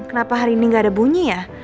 kenapa hari ini gak ada bunyi ya